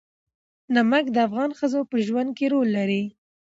نمک د افغان ښځو په ژوند کې رول لري.